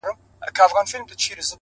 زه هم دعاوي هر ماښام كومه!!